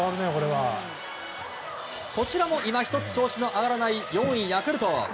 こちらも今ひとつ調子の上がらない４位、ヤクルト。